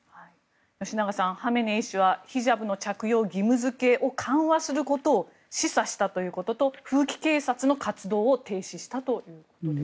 吉永さん、ハメネイ師はヒジャブの着用義務付けを緩和することを示唆したということと風紀警察の活動を停止したということです。